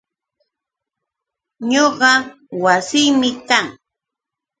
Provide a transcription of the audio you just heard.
Ñuqa Wanshim kaa.